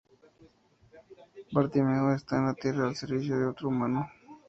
Bartimeo está en la Tierra al servicio de otro humano.